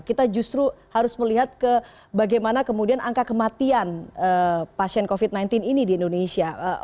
kita justru harus melihat ke bagaimana kemudian angka kematian pasien covid sembilan belas ini di indonesia